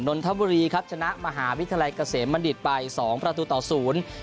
นนทบุรีครับชนะมหาวิทยาลัยเกษมบัณฑิตไปสองประตูต่อศูนย์